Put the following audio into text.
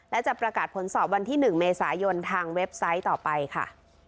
และจะประกาศผลสอบวันที่๑เมษายนทางเว็บไซต์ต่อไปค่ะ